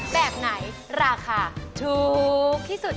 แบบไหนราคาถูกที่สุด